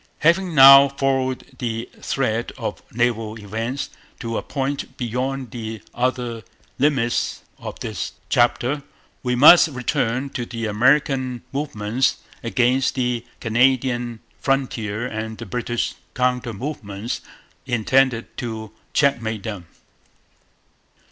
Having now followed the thread of naval events to a point beyond the other limits of this chapter, we must return to the American movements against the Canadian frontier and the British counter movements intended to checkmate them.